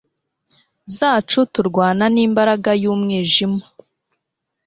zacu turwana nimbaraga yumwijima